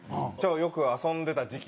よく遊んでた時期。